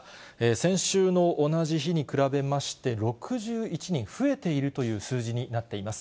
先週の同じ日に比べまして、６１人増えているという数字になっています。